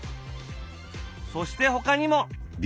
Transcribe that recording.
そしてほかにも！